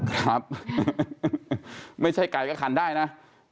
ครับไม่ใช่ไก่ก็ขันได้นะ